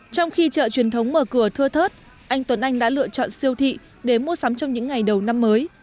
trong khi chợ truyền thống mở cửa thưa thớt anh tuấn anh đã lựa chọn siêu thị để mua sắm trong những ngày đầu năm mới